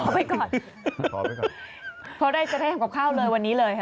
ขอไปก่อนพอได้จะได้เงินขอบข้าวเลยวันนี้เลย